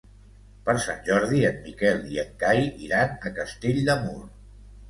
Per Sant Jordi en Miquel i en Cai iran a Castell de Mur.